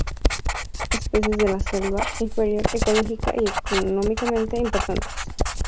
Especies de la selva inferior ecológica y económicamente importantes.